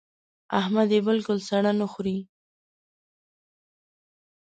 احمد يې بالکل سړه نه خوري.